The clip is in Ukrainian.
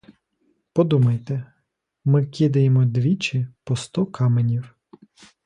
Подумайте: ми кидаємо двічі по сто каменів.